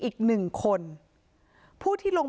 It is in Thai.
นี่แหละตรงนี้แหละ